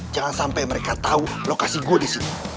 jangan sampai mereka tahu lokasi gue di sini